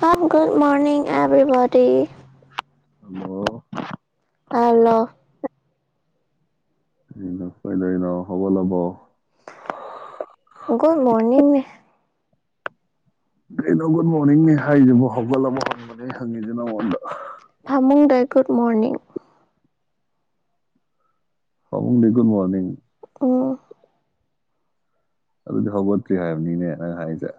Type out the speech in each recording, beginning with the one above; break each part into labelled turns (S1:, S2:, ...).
S1: half good morning ꯑꯦꯕ꯭ꯔꯤꯕꯗꯤ
S2: ꯍꯝꯕꯣ
S1: ꯇꯥꯂꯣ
S2: ꯄꯥꯏ ꯂꯩꯅ ꯍꯣ ꯂꯕ
S1: ꯒꯗ ꯃꯣꯔꯅꯤꯡꯅꯦ
S2: ꯀꯩꯅꯣ ꯒꯨꯗ ꯃꯣꯔꯅꯤꯡꯅꯦ ꯍꯥꯏꯁꯤꯕꯨ ꯍꯧꯒꯠꯂ ꯑꯃ ꯍꯟꯕꯅꯦ ꯍꯪꯉꯤꯁꯤꯦ ꯅꯪꯉꯣꯟꯗ
S1: ꯐꯃꯨꯡ ꯗꯣꯏ ꯨꯗ ꯃꯣꯔꯅꯤꯡꯡ
S2: ꯂꯤ ꯨ ꯃꯣꯔꯅꯤꯡ
S1: ꯑꯣ
S2: ꯑꯗꯨꯗꯤ ꯍꯧꯒꯠꯇ꯭ꯔꯤ ꯍꯥꯏꯕꯅꯤꯅꯦ ꯅꯪ ꯍꯥꯏꯔꯤꯁꯦ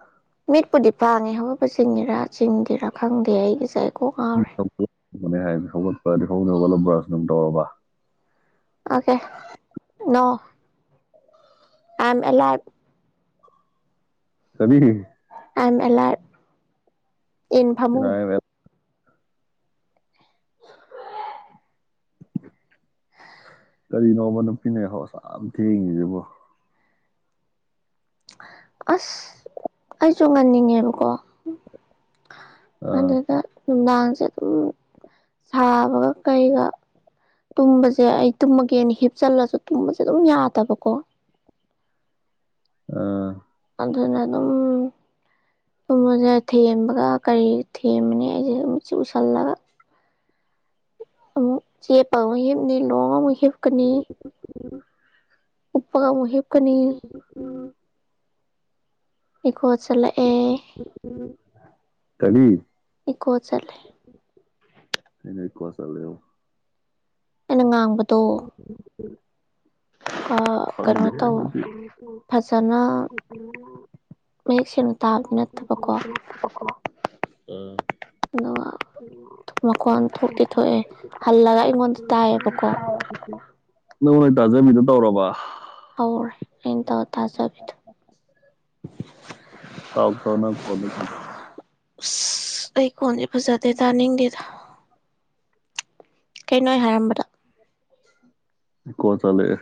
S1: ꯆꯤꯡꯗꯦꯔꯥ ꯈꯪꯗꯦ ꯑꯩꯒꯤꯁꯦ
S2: ꯎꯝ ꯅꯦ ꯍꯥꯏ ꯍꯧꯒꯠꯄ꯭ꯔꯗꯤ ꯍꯧꯗ ꯋꯥꯠꯂꯕ꯭ꯔꯥꯁꯨ ꯑꯗꯨꯝ ꯇꯧꯔꯕ
S1: ꯑꯣꯀꯦ ꯅꯣ ꯑꯦꯝ ꯑꯦꯂꯥ
S2: ꯀꯕꯤ
S1: ꯑꯥꯏ ꯑꯦꯂꯥ ꯏꯟ ꯐꯃꯨꯡ
S2: ꯀꯔꯤꯅꯣꯕ ꯅꯨꯄꯤꯅꯦꯍꯣꯁꯥ ꯌꯥꯝ ꯊꯦꯡꯉꯤꯁꯤꯕꯣ
S1: ꯑꯁ ꯑꯩꯁꯨ ꯉꯟꯅꯤꯡꯉꯦꯕꯀꯣ
S2: ꯑꯥ
S1: ꯑꯗꯨꯗ ꯅꯨꯡꯗꯥꯡꯁꯦ ꯑꯗꯨꯝ ꯁꯥꯕꯒ ꯀꯩꯒ ꯇꯨꯝꯕꯁꯦ ꯑꯩ ꯇꯨꯝꯃꯒꯦꯅ ꯍꯤꯞꯆꯜꯂꯁꯨ ꯇꯨꯝꯕꯁꯦ ꯑꯗꯨꯝ ꯌꯥꯗꯕꯀꯣ
S2: ꯑꯝ
S1: ꯑꯗꯨꯅ ꯑꯗꯨꯝꯨꯝꯁꯦ ꯊꯦꯝꯕꯒ ꯀꯔꯤ ꯊꯦꯝꯕꯅꯤ ꯑꯩꯁꯦ ꯑꯗꯨꯝꯁꯤ ꯎꯁꯜꯂꯒ ꯆ ꯄꯥꯉ ꯂ ꯨ ꯀꯅꯤ ꯎꯞꯒ ꯃꯨꯍꯤꯦꯞ ꯀꯅꯤ ꯀ ꯆꯂꯛꯦ
S2: ꯀꯔꯤ
S1: ꯆꯠꯂꯦ
S2: ꯑꯩꯅ ꯏꯀꯋꯥꯁꯂ
S1: ꯏꯉ ꯃꯇꯗꯣ
S2: ꯎꯝ
S1: ꯀꯩꯅꯣ ꯇꯧ ꯐꯖꯅ ꯃꯌꯦꯛ ꯁꯦꯡꯅ ꯇꯥꯕꯗꯤ ꯅꯠꯇꯕꯀꯣ
S2: ꯎꯝ
S1: ꯑꯗꯨꯒ ꯃꯈꯣꯟ ꯊꯣꯛꯇꯤ ꯊꯣꯛꯑꯦ ꯍꯜꯂꯒ ꯑꯩꯉꯣꯟꯗ ꯇꯥꯏꯌꯦꯕꯀꯣ
S2: [unintelligible] ꯇꯥꯖꯟꯕꯤꯗꫭ ꯇꯧꯔꯕ
S1: ꯇꯧꯔꯦ [unintelligible] ꯇꯖꯥꯕꯤꯗꫭ
S2: [unintelligible]
S1: ꯑꯁ ꯑꯩ ꯈꫭꯟꯁꯦ ꯐꯖꯗꯦ ꯇꯥꯅꯤꯡꯗꯦꯗ ꯀꯩꯅꯣ ꯑꯩ ꯍꯥꯏꯔꯝꯕꯗꫭ
S2: ꯏꯀꯣ ꯆꯠꯂꯛꯑꯦ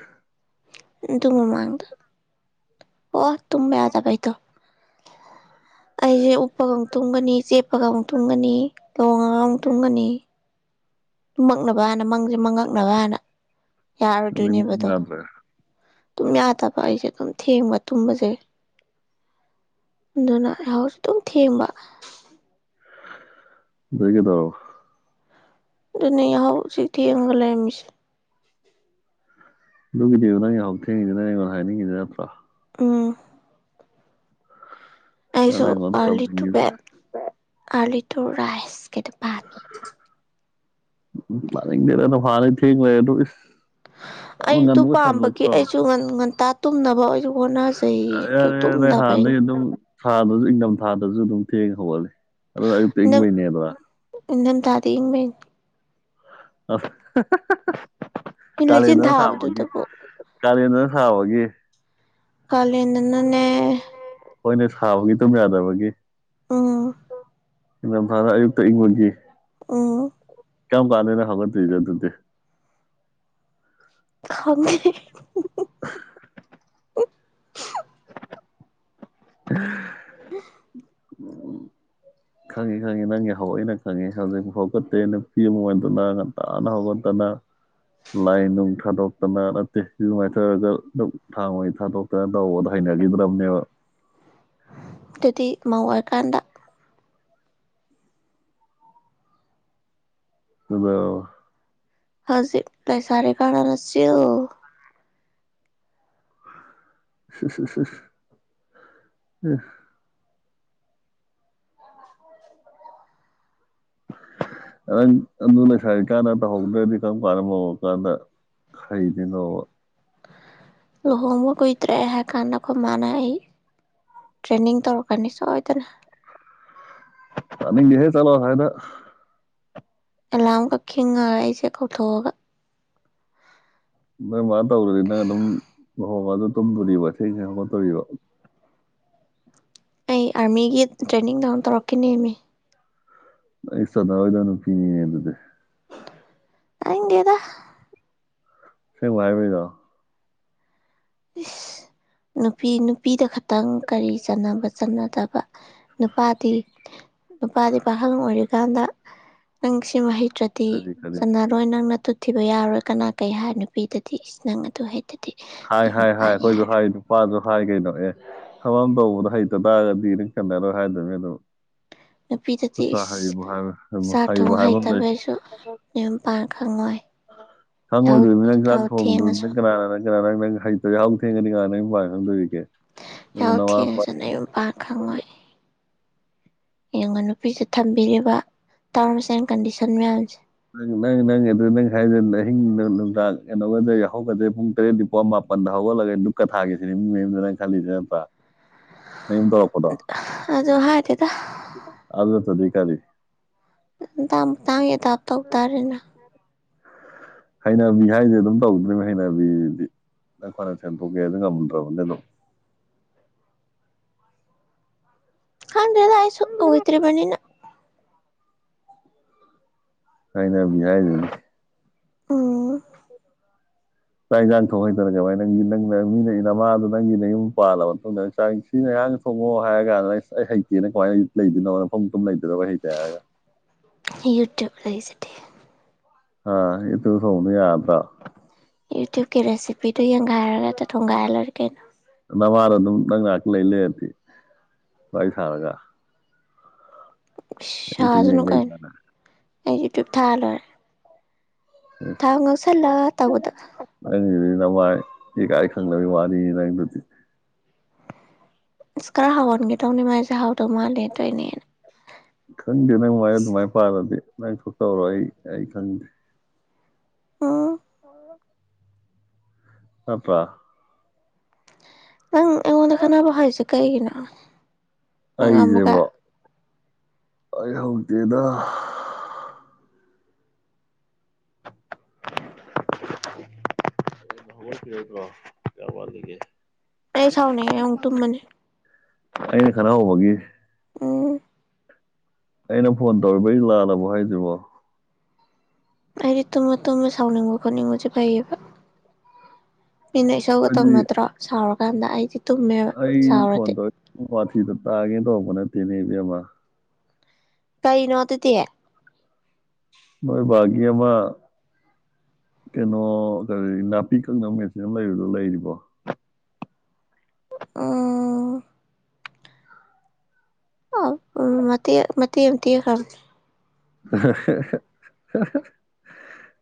S1: ꯑꯗꯨ ꯃꯃꯥꯡꯗ ꯑꯣ ꯇꯨꯝꯕ ꯌꯥꯗꯕꯩꯗꯣ ꯑꯩꯁꯦ ꯎꯞꯄꯒ ꯑꯃꯨꯛ ꯇꯨꯝꯒꯅꯤ ꯆꯦꯞꯄꯒ ꯑꯃꯨꯛ ꯇꯨꯝꯒꯅꯤ ꯂꫭꯡꯉꯒ ꯑꯃꯨꯛ ꯇꯨꯝꯒꯅꯤ ꯨꯃꯛꯅꯕ ꯑꯥꯅ ꯃꯪꯁꯦ ꯃꯉꯛ ꯅꯕꯅ
S2: ꯑꯗꯩ ꯃꯨꯛ
S1: ꯌꯥꯔꫭꯏꯗꯣꯏꯅꯦꯕ ꯑꯗꯣ
S2: ꯌꯥꯗ꯭ꯔꯦ
S1: ꯇꯨꯝ ꯌꯥꯗꯕ ꯑꯩꯁꯦ ꯑꯗꯨꯝ ꯊꯦꯡꯕ ꯇꯨꯝꯕꯁꯦ ꯑꯗꯨꯅ ꯌꯥꯍꯧꯁꯨ ꯑꯗꯨꯝ ꯊꯦꯡꯕ
S2: ꯑꯗꯩ ꯀꯩꯗꯧꯔꯕ
S1: ꯑꯗꯨꯅꯦ ꯌꯥꯍꯧꯁꯤ ꯊꯦꯡꯉꯒ ꯂꯩꯔꯝꯃꯤꯁꯤ
S2: ꯑꯗꯨꯒꯤꯅꯤꯕ ꯅꯪ ꯌꯥꯍꯧ ꯊꯦꯡꯉꯤꯁꯤ ꯅꯪ ꯑꯩꯉꯣꯟꯗ ꯍꯥꯏꯅꯤꯡꯉꯤꯗ ꯅꯠꯇ꯭ꯔꯥ
S1: ꯎꯝ
S2: ꯅꯪꯅ
S1: ꯑꯩꯁꯨ
S2: ꯑꯩꯉꯣꯟꯗ
S1: ꯑꯥꫪꯂꯤ ꯇꯨ
S2: ꯇꯝꯅꯤꯡꯉꯤꯁꯦ
S1: ꯕꯦꯠ ꯑꯥꫪꯂꯤ ꯇꯨ ꯔꯥꯏꯁ ꯀꯦꯗꯨ ꯄꯥꯝꯃꯤ
S2: ꯇꯥꯅꯤꯡꯗꯦꯗ ꯍꯥꯟꯅꯗꯩ ꯊꯦꯡ ꯂꯩꯔꯗꯨ ꯏꯁ ꯌꯥꯝꯅ
S1: ꯑꯩꯗꯨ
S2: ꯉꯟꯕꯒ
S1: ꯄꯥꯝꯕꯒꯤ
S2: ꯁꯥꯖꯤꯜꯂꯛꯇ꯭ꯔꯣ
S1: ꯑꯩꯁꯨ ꯉꯟ ꯉꯟꯇꯥ ꯇꯨꯝꯅꯕ ꯑꯣꯁꯨ ꯍꫭꯠꯅꯖꯩꯌꯦ ꯑꯗꫭ
S2: ꯌꯥꯔꯦ ꯌꯥꯔꯦ ꯅꯣꯏ
S1: ꯇꯨꯝꯗꯕꯩꯅꯤ
S2: ꯍꯥꯟꯅꯗꯩ ꯑꯗꯨꯝ ꯊꯥꯗꯁꯨ ꯏꯪꯊꯝꯊꯥꯗꯁꯨ ꯑꯗꯨꯝ ꯊꯦꯡꯉ ꯍꯧꯒꯠꯂꯤ ꯑꯗꯨꯅ ꯑꯌꯨꯛꯇ
S1: ꯏꯪꯊꯝ
S2: ꯏꯡꯕꯩꯅꯦꯗꯨꯔ
S1: ꯏꯪꯊꯝꯊꯥꯗꯤ ꯏꯪꯕꯩꯅꯤ
S2: ꯑ [unintelligible]
S1: ꯃꯤ ꯂꯩꯆꯤꯟ ꯊꯥꯕꯗꯨꯇꯕꯨ
S2: ꯀꯥꯂꯦꯟꯗꯅ ꯁꯥꯕꯒꯤ
S1: ꯀꯥꯂꯦꯟꯗꯅꯅꯦ
S2: ꯍꯣꯏꯅꯦ ꯁꯥꯕꯒꯤ ꯇꯨꯝ ꯌꯥꯗꯕꯒꯤ
S1: ꯎꯝ
S2: ꯏꯊꯝꯊꯥꯗꯙ ꯑꯌꯨꯛꯇ ꯏꯪꯕꯒꯤ
S1: ꯎꯝ
S2: ꯀꯝ ꯀꯥꯟꯗꯅꫭ ꯍꯧꯒꯠꯇꯨꯏꯁꯦ ꯑꯗꯨꯗꯤ
S1: ꯈꯪꯗꯦ
S2: ꯎꯝ ꯈꯪꯉꯤ ꯈꯪꯉꯤ ꯅꯪꯒꯤ ꯌꯥꯍꯧ ꯑꯩꯅ ꯈꯪꯉꯤ ꯍꯧꯖꯤꯛꯐꯥꯎ ꯍꯧꯥꯎꯒꯠꯇꯦ ꯅꯨꯄꯤ ꯑꯃ ꯑꯣꯏꯗꯅ ꯉꯟꯇꯥꯅ ꯍꯧꯒꯠꯇꯅ ꯂꯥꯏ ꯅꯨꯡ ꯊꯥꯗꯣꯛꯇꯅ ꯅꯠꯇꯦ ꯏꯔꯨ ꯃꯥꯏꯊꯔꯒ ꯗꯨꯛ ꯊꯥꯡꯃꯩ ꯊꯥꯗꯣꯛꯇꯅ ꯇꯧꯕꯗ ꯍꯩꯅꯒꯤꯗ꯭ꯔꯕꯅꯦꯕ
S1: ꯑꯗꯨꯗꯤ ꯃꯧ ꯑꯣꯏꯔꯀꯥꯟꯗ
S2: ꯑꯗꯨꯗꫭ
S1: ꯍꯧꯖꯤꯛ ꯂꯩꯁꯥꯔꯤ ꯀꯥꯟꯗꯅ ꯆꯤꯜ
S2: ꯏꯍ ꯏꯁ ꯏꯁ ꯏꯁ ꯅꯪ ꯑꯗꯨ ꯂꯩꯁꯥꯏꯔꯤ ꯀꯥꯟꯗ ꯇꯧꯍꯧꯗ꯭ꯔꯗꯤ ꯀꯔꯝ ꯀꯥꯟꯗ ꯃꯧ ꯑꫭꯏꯔꯀꯥꯟꯗ ꯍꯩꯗꯨꯅꯣꯕ
S1: ꯂꯨꯍꯣꯡꯕ ꯀꯨꯏꯗ꯭ꯔꯦ ꯍꯥꯏ ꯀꯥꯟꯗ ꯑꯩꯈꯣꯏ ꯃꯥꯅ ꯑꯩ ꯇ꯭ꯔꯦꯦꯟꯅꯤꯡ ꯇꯧꯔꯛꯀꯅꯤ ꯁꯣꯏꯗꯅ
S2: ꯄꯅꯤꯍꯦ ꯆꯂꯣ ꯍꯥꯏꯅ
S1: ꯑꯦꯂꯥꯔꯝ ꯀꯛ ꯈꯤꯉꯔ ꯑꯩꯁꯦ ꯀꯧꯊꯣꯛꯑꯒ
S2: ꯃꯃ ꯇꯧꯔꯅꯤꯅ ꯑꯗꯨꯝ ꯍꯣ ꯑꯗꯨ ꯇꯨꯝꯗꯣꯔꯤꯕ ꯊꯦꯡꯁꯦ ꯍꯧꯒꯠꯇꯣꯔꯤꯕ
S1: ꯑꯩ ꯑꯥꯔꯃꯤꯒꯤ ꯇ꯭ꯔꯦꯅꯤꯡ ꯗꯥꯎꯟ ꯇꯧꯔꯛꯀꯅꯦꯃꯤ
S2: ꯑꯩꯁ ꯑꯣꯏꯗꯅ ꯄꯤꯅꯤ ꯑꯗꯨꯗꯦ
S1: ꯑꯥ ꯗꯦꯗ
S2: ꯁꯤ ꯋꯥꯏꯕꯤꯗ
S1: ꯏꯁ ꯅꯨꯄꯤ ꯅꯨꯄꯤꯗ ꯈꯇꯪ ꯀꯔꯤ ꯆꯥꯟꯅꯕ ꯆꯠꯅꯗꯕ ꯅꯨꯄꯥꯗꯤ ꯅꯨꯄꯥꯗꯤ ꯄꯥꯈꯪ ꯑꯣꯏꯔꯤꯀꯥꯟꯗ ꯅꯪ ꯁꯤ ꯃꯍꯩ ꯠꯇ꯭ꯔꯗꯤ
S2: ꯀꯔꯤ ꯀꯔꯤ
S1: ꯁꯥꯟꯅꯔꯣꯏ ꯅꯪꯅ ꯊꯤꯕ ꯌꯥꯎꯔꯣꯏ ꯀꯅꯥ ꯀꯩ ꯍꯥꯏ ꯅꯨꯄꯤꯗꯗꯤ ꯏꯁ ꯅꯪ ꯑꯗꯨ ꯍꯦꯛꯇꯗꯤ
S2: ꯍꯥꯏ ꯍꯥꯏ ꯍꯥꯏ ꯑꯩꯈꯣꯏꯁꯨ ꯍꯥꯏ ꯅꯨꯄꯥꯁꯨ ꯍꯥꯏ ꯀꯩꯅꯣ ꯑꯦ ꯊꯕꯝ ꯇꯧꯕꯗ ꯍꯩꯇ ꯇꯥꯔꯒꯗꯤ ꯅꯪ ꯆꯟꯅꯔꯣꯏ ꯍꯥꯏꯗꯣꯏꯅꯦ ꯑꯗꯨ
S1: ꯅꯨꯄꯤꯗꯗꯤ ꯆꯥꯛ
S2: ꯍꯩꯕ
S1: ꯊꯣꯡ
S2: ꯍꯥꯏꯕ ꯑꯃ ꯂꯩ
S1: ꯍꯩꯇꯕꯁꯨ ꯌꯌꯨꯝꯄꯥꯟ ꯈꯪꯉꯣꯏ ꯌꯥꯍꯧ
S2: ꯈꯪꯉꯣꯏꯗꯣꯏꯕꯅꯤꯅ ꯍꯛꯁꯥꯛ
S1: ꯌꯥꯍꯧ
S2: ꯊꯣꯡꯗ꯭ꯔꯕꯅꯤꯅ
S1: ꯊꯦꯡꯉꯁꯨ
S2: ꯀꯅꯥꯅꯣ ꯅꯪ ꯀꯔ ꯅꯪ ꯅꯪ ꯍꯩꯇꯣ ꯌꯥꯎ ꯊꯦꯡꯒꯅꯤꯀ ꯅꯪ ꯄ ꯈꯪꯗꯣꯏꯦ
S1: ꯑꯦ ꯊꯦꯡꯁ ꯅꯨ ꯄꯥ ꯈꯉꯣꯏ ꯌꯦꯉꯅ ꯅꯨꯄꯤꯁꯦ ꯊꯝꯕꯤꯔꯤꯕ ꯇꯥꯔꯝꯁ ꯑꯦꯟ ꯀꯟꯗꯤꯁꯟ ꯃꯌꯥꯝꯁꯦ
S2: ꯅꯪ ꯅꯪ ꯅꯪ ꯑꯗꯨ ꯅꯪ ꯈ ꯑꯍꯤꯡ ꯅꯨꯡꯡ ꯀꯩꯅꯣ ꯍꯧꯒꯗ꯭ꯔꯦ ꯄꯨꯡ ꯇꯔꯦꯠ ꯅꯤꯄꯥ ꯃꯥꯄꯟꯗ ꯍꯧꯒꯠꯂꯒ ꯗꯨꯛꯀ ꯊꯥꯒꯁꯤꯅꯦ ꯃꯤ ꯃꯌꯨꯝꯗ ꯅꯪ ꯈꯜꯂꯤꯁꯤ ꯅꯠꯇ꯭ꯔꯥ ꯝ ꯇꯀꯣꯗꯥ
S1: ꯑꯗꯨ ꯍꯥꯏꯗꯦꯗ
S2: ꯑꯗꯤ ꯀꯅꯤ
S1: ꯇꯝ
S2: ꯎ ꯎ ꯐ ꯍꯩꯅꯕꯤ ꯍꯥꯏꯁꯦ ꯑꯗꯨꯝ ꯇꯧꯗ꯭ꯔꯤꯕꯅꯤ ꯍꯩꯅꯕꯤꯗꯤ ꯅꯪ ꯐꯅ ꯁꯦꯟꯗꯣꯛꯀꯦ ꯑꯗꯨ ꯉꯝꯗ꯭ꯔꯕꯅꯤ ꯑꯗꯨꯝ
S1: ꯍꯥꯟꯗꯗ ꯍꯥꯏꯥꯏꯁꯁꯨ ꯍꯣꯏꯇ꯭ꯔꯤ ꯃꯅꯤꯅ
S2: ꯍꯥꯏꯅꯕꯤ ꯍꯥꯏꯥꯏꯗꯨ
S1: ꯎꯝ
S2: ꯆꯥꯛ ꯌꯦꯟꯁꯥꯡ ꯊꯣꯡ ꯍꯩꯇꯅ ꯀꯃꯥꯏ ꯅꯪꯒꯤ ꯅꯪꯅ ꯃꯤꯅ ꯅꯃꯥꯗꯣ ꯅꯪꯒꯤ ꯅꯪ ꯌꯨꯝ ꯄꯥꯜꯂꯕ ꯃꯇꯨꯡꯗ ꯅꯥꯛ ꯁꯤꯅ ꯑꯔꯥꯡ ꯊꯣꯛꯣꯡꯉꯣ ꯍꯥꯏꯔ ꯀꯥꯟꯗ ꯑꯩꯁ ꯑꯩ ꯍꯩꯇꯦꯅ ꯀꯃꯥꯏ ꯂꯩꯗꯣꯏꯅꯣ ꯃꯐꯝ ꯂꯩ ꯑꯗꯨꯣ ꯋꯥꯍꯤ ꯇ ꯍꯥꯏꯒ
S1: ꯂꯩ ꯆꯇꯦ
S2: ꯍꯥꯥ ꯏꯇ ꯁꯣꯅ ꯌꯥꯔꯗ
S1: ꯌꯨꯇꯨꯕꯀꯤ ꯔꯦꯁꯤꯄꯤꯤꯗꯨ ꯌꯦꯡ ꯉꯒꯥꯏꯔꯒ ꯊꯨꯡꯒꯥꯏ ꯂꯩꯣꯏꯔ ꯀꯩꯅꯣ
S2: ꯅꯃꯥꯗ ꯑꯗꯨꯝ ꯅꯪ ꯉꯥꯏꯍꯥꯛ ꯂꯩ ꯂꯩꯔꯗꯤ ꯋꯥꯔꯤꯥꯏ ꯁꯥꯔꯒ ꯍ ꯇꯨ ꯌꯦꯡ ꯂꯩ ꯏꯗꯅꯥꯅꯥ
S1: ꯌꯨꯇꯕ ꯊꯥꯂꯣꯏꯔꯦ ꯇꯥꯥꯎꯅꯣꯁꯂ ꯇꯒꯗ
S2: ꯑꯩꯪꯗꯨꯗꯤ ꯅꯃꯥꯏ ꯏꯀꯥꯏ ꯈꯪꯗꯕ ꯋꯥꯅꯤ ꯅꯪꯗꯨꯗꯤ
S1: ꯑꯁ ꯈꯔ ꯍꯥꯎꯍꯟꯒꯦ ꯇꯧꯅꯤ ꯃꯥꯏꯁꯦ ꯍꯥꯎꯗꯧ ꯃꯥꯜꯂꯦ ꯇꯣꯏꯅꯦꯅ
S2: [unintelligible] ꯀꯪꯗꯤꯅ ꯃꯣꯏ ꯃꯥꯏ ꯄꯥꯔꯗꯤ ꯅꯪ ꯊꯣꯛꯇꯧꯔ ꯑꯩ ꯑꯩ ꯈꯪꯗꯦ
S1: ꯑꯥ
S2: ꯑ ꯑꯄ
S1: ꯅꯪ ꯑꯩꯉꯣꯟꯗ ꯈꯅꯕ ꯍꯥꯏꯔꯤꯁꯦ ꯀꯩꯒꯤꯅꯣ ꯃꯉꯥ ꯃꯨꯀ
S2: ꯑꯩꯁꯦꯕꯣ ꯑꯩ ꯍꯧꯛꯇꯦꯅ ꯍꯧꯄꯤꯔꯦꯀꯣ ꯀꯌꯥ ꯋꯥꯂꯤꯒꯦ
S1: ꯑꯩ ꯁꯥꯎꯅꯦ ꯑꯨ ꯇꯨꯝꯕꯅꯦ
S2: ꯑꯩꯅ ꯈꯔ ꯍꯧꯕꯒꯤ ꯑꯩꯅ ꯐꯣꯟ ꯇꯧꯔꯤꯕꯩ ꯂꯥꯜꯂꯕꯣ ꯍꯥꯏꯗ꯭ꯔꯤꯕꯣ
S1: ꯑꯩꯗꯤ ꯇꯨꯝꯃ ꯇꯨꯝꯃ ꯁꯥꯎꯅꯤꯡꯕ ꯈꯣꯠꯅꯤꯡꯕꯁꯦ ꯐꯩꯌꯦꯕ ꯃꯤꯅ ꯏꯁꯧꯒ
S2: ꯑꯩꯗꯤ
S1: ꯇꯝꯅꯗ꯭ꯔꯥ ꯁꯥꯎꯔꯛ ꯀꯥꯟꯗ ꯑꯩꯗꯤ ꯇꯨꯝꯃꯦꯕ
S2: ꯑꯩ ꯐ
S1: ꯁꯥꯎꯔꯗꯤ
S2: ꯇꯒꯦ ꯇꯧ ꯃꯅꯦ ꯇꯅꯤꯕꯃ
S1: ꯀꯔꯤꯅꯣꯗꯇꯌꯥ
S2: ꯅꯣꯏ ꯕꯥꯒꯤ ꯑꯃ ꯀꯩꯅꯣ ꯀꯔꯤ ꯅꯥꯄꯤ ꯀꯛꯅ ꯃꯦꯟꯁꯤꯅ ꯂꯩꯕꯗꯣ ꯂꯩꯔꯤꯕꯣ
S1: ꯑꯥ ꯑ ꯎ ꯃ ꯃ ꯇꯤꯌꯦ ꯈ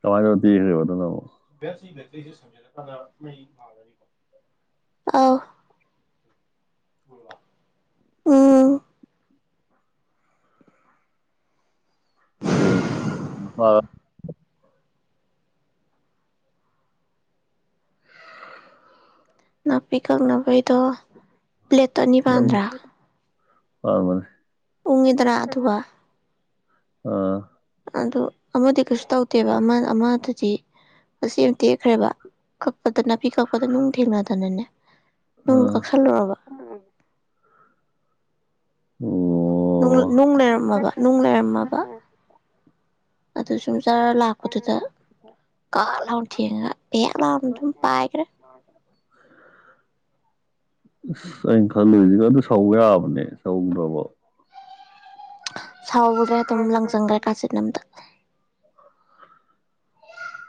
S2: ꯑꯔ ꯋꯥ ꯊꯕꯗꯨ ꯅ
S1: ꯎꯝ
S2: ꯑꯦ ꯍ
S1: ꯅꯥꯄꯤ ꯀꯛ ꯕꯤꯩꯗ ꯄ꯭ꯂꯦꯠꯠꯇꯅꯤꯄꯥꯟꯗ꯭ꯔꯥ
S2: ꯑ ꯃꯥꯅꯦ
S1: ꯄꯨꯡ ꯏꯗꯔꯥ ꯑꯊ
S2: ꯑꯥ
S1: ꯑꯗꯨ ꯑꯃꯗꯤ ꯀꯩꯁꯨ ꯇꯧꯗꯦꯕ ꯑꯃ ꯑꯃꯗꯨꯗꯤ ꯃꯁꯤ ꯑꯃ ꯇꯦꯛꯈ꯭ꯔꯦꯕ ꯀꯛꯄꯗ ꯅꯥꯄꯤ ꯀꯛꯄꯗ ꯅꯨꯡ ꯊꯦꯡꯅꯗꯅꯅꯦ ꯅꯪ
S2: ꯑꯥ
S1: ꯀꯛꯁꯜꯂꯨꯔꯕ
S2: ꯑꯣ
S1: ꯅꯨꯡ ꯂꯩꯔꯝꯃꯕ ꯅꯨꯡ ꯂꯩꯔꯝꯃꯕ ꯑꯗꯨ ꯁ ꯖꯥꯔ ꯂꯥꯛꯄꯗꯨꯗ ꯀꯥ ꯂꯥꯎꯅ ꯊꯦꯡꯉꯒ ꯍ ꯂꯥꯎꯅ ꯑꯗꯨꯝ ꯄꯥꯏꯈ꯭ꯔꯦ
S2: ꯑꯁ ꯑꯩꯅ ꯈꯜꯂꯨꯁꯤꯒ ꯑꯗꯨ ꯁꯧꯕ ꯌꯥꯕꯅꯦ ꯁꯧꯈ꯭ꯔꯕ
S1: [unintelligible] ꯁꯥꯎꯕꯗ꯭ꯔꯦ ꯑꯗꯨꯝ ꯂꯪꯖꯪꯈ꯭ꯔꯦ ꯀꯥꯆꯤꯟꯠ ꯅꯝꯗ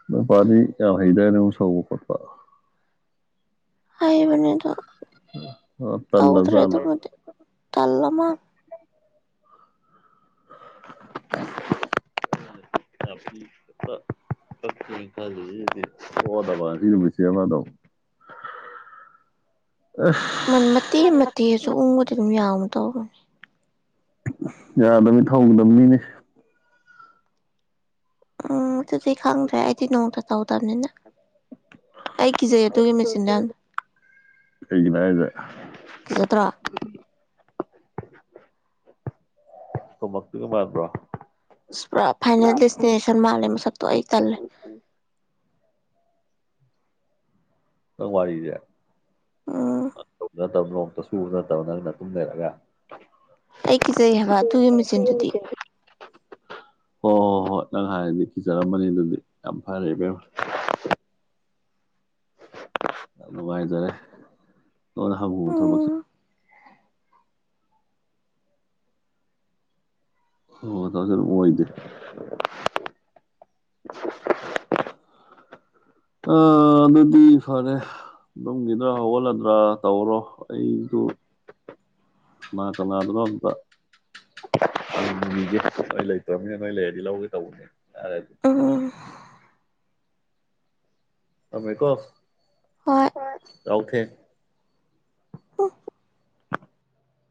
S2: ꯃꯄꯥꯅꯤ ꯌꯥꯝ ꯍꯩꯔ꯭ꯔꯦ ꯅꯨꯛ ꯁꯧꯕ ꯈꯣꯠꯄ
S1: ꯍꯥꯏꯕꯅꯤꯗꯣ
S2: ꯇꯜꯂꯕ
S1: ꯇꯗ꯭ꯔꯦ ꯑꯗꯨ
S2: ꯖꯥꯠꯂ
S1: ꯃ ꯇꯜꯂꯃ
S2: ꯕꯁꯤ ꯄꯁ ꯑꯣ ꯇ
S1: ꯃꯇꯦꯛ ꯃꯇꯦꯛꯁꯨ ꯎꯕꯗꯤ ꯑꯗꯨꯝ ꯌꯥꯝꯅ ꯇꯧꯕꯅꯦ
S2: ꯌꯥꯗꯃꯤ ꯊꯧꯒꯗꯕ ꯃꯤꯅꯤ
S1: ꯎꯝ ꯑꯗꯨꯗꯤ ꯈꯪꯗ꯭ꯔꯦ ꯑꯩꯗꯤ ꯅꯧꯗ ꯇꯧꯗꯕꯅꯤꯅ ꯑꯩ ꯀꯤꯖꯩ ꯑꯗꯨꯒꯤ ꯃꯦꯆꯤꯟꯗ
S2: ꯀꯩꯒꯤꯅꯣ ꯍꯥꯏꯁꯦ
S1: ꯀꯤꯖ ꯇ꯭ꯔꯥ
S2: ꯊꯃꯛꯇꯒꯤ ꯃꯥꯥꯟꯕ꯭ꯔꯣ
S1: ꯄꯨꯔꯥ ꯐꯥꯏꯅꯦꯜ ꯗꯦꯁꯇꯤꯅꯦꯁꯟ ꯃꯥꯜꯂꯦ ꯃꯁꯛꯇꯣ ꯑꯩ ꯇꯜꯂꯦ
S2: ꯇ ꯋꯥꯔꯤꯗꯦ
S1: ꯑ
S2: ꯅꯠꯇꯕꯅꯣ ꯑꯝꯛꯇ ꯁꯨꯕ ꯅꯠꯇꯕ ꯅꯪꯅ ꯑꯗꯨꯨꯝ ꯂꯩꯔꯒ
S1: ꯑꯩ ꯀꯤꯖꯩ ꯍꯥꯏꯕ ꯑꯗꯨꯒꯤ ꯃꯦꯆꯤꯟꯗꯨꯗꯤ
S2: ꯍꯣꯏ ꯍꯣꯏ ꯍꯣꯏ ꯅꯪ ꯍꯥꯏꯔꯗꯤ ꯤꯖꯔꯝꯕꯅꯤ ꯑꯗꯨꯗꯤ ꯌꯥꯝ ꯐꯔꯦ ꯏꯕꯦꯝ ꯌꯥꯝ ꯅꯨꯡꯉꯥꯏꯖꯔꯦ ꯂꯣꯟꯅ ꯍꯍꯨꯕ ꯊꯕꯛꯁꯦ
S1: ꯎꯝ
S2: ꯑꯣ ꯇ ꯆ ꯏꯗ ꯑ ꯑꯗꯨꯗꯤ ꯐꯔꯦ ꯑꯗꯨꯝꯒꯤꯗ꯭ꯔꯥ ꯍꯧꯒꯠꯂꯗ꯭ꯔꯥ ꯇꯧꯔꯣ ꯑꯩꯁꯨ ꯀꯅꯥ ꯀꯅꯥꯗꯅꯣ ꯑꯝꯇꯒꯦ ꯑꯩ ꯂꯩꯇꯕꯅꯤ ꯅꯣꯏ ꯂꯩꯔꯗꯤ ꯂꯧꯒꯦ ꯇꯧꯕꯅꯦ ꯌꯥꯔꯦ ꯑꯗꯨꯗꯤ
S1: ꯎꯝ
S2: ꯊꯃꯦ ꯀꯣ
S1: ꯍꯣꯏ
S2: ꯌꯥꯍꯣ ꯊꯦꯡ
S1: ꯎꯝ